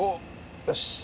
よし！